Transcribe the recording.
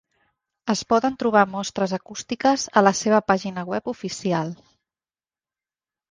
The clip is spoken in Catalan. Es poden trobar mostres acústiques a la seva pàgina web oficial.